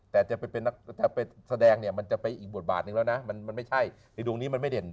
แต่จะไปแสดงเนี่ยมันจะไปอีกบทบาทหนึ่งแล้วนะมันไม่ใช่ในดวงนี้มันไม่เด่น